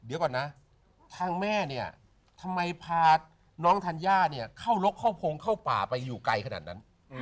เดี๋ยวก่อนนะทางแม่เนี่ยทำไมพาน้องธัญญาเนี่ยเข้าลกเข้าโพงเข้าป่าไปอยู่ไกลขนาดนั้น